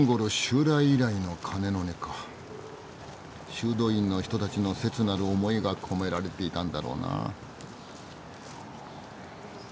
修道院の人たちの切なる思いが込められていたんだろうな。